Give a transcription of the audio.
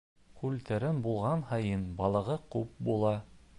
Күл тәрән булған һайын балығы күп була.